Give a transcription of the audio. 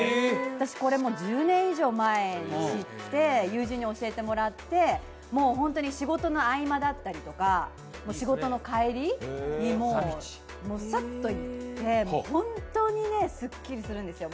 私、これ１０年以上前に知って、友人に教えてもらって、本当に仕事の合間だったりとか仕事の帰りにもサッと行って、本当にスッキリするんですよ。